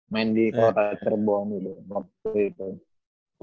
main di kota cerbon gitu